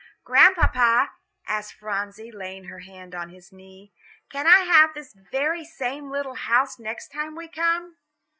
"Grandpapa," asked Phronsie, laying her hand on his knee, "can I have this very same little house next time we come?"